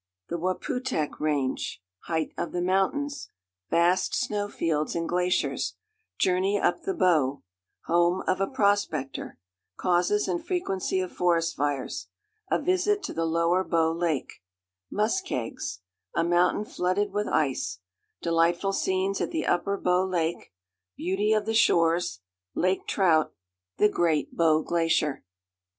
_The Waputehk Range—Height of the Mountains—Vast Snow Fields and Glaciers—Journey up the Bow—Home of a Prospector—Causes and Frequency of Forest Fires—A Visit to the Lower Bow Lake—Muskegs—A Mountain Flooded with Ice—Delightful Scenes at the Upper Bow Lake—Beauty of the Shores—Lake Trout—The Great Bow Glacier.